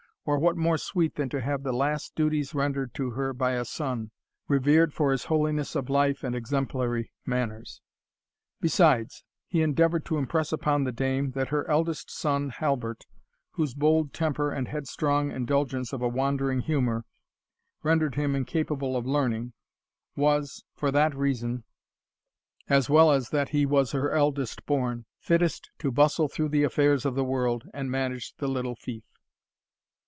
or what more sweet than to have the last duties rendered to her by a son, reverend for his holiness of life and exemplary manners? Besides, he endeavoured to impress upon the dame, that her eldest son, Halbert, whose bold temper and headstrong indulgence of a wandering humour, rendered him incapable of learning, was, for that reason, as well as that he was her eldest born, fittest to bustle through the affairs of the world, and manage the little fief.